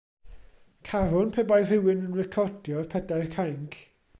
Carwn pe bai rhywun yn recordio'r Pedair Cainc.